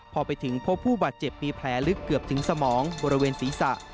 พอไปถึงพบผู้บาดเจ็บมีแผลลึกเกือบถึงสมองบริเวณศีรษะ